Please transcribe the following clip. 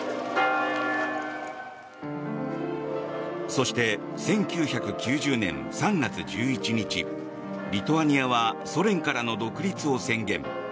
そして、１９９０年３月１１日リトアニアはソ連からの独立を宣言。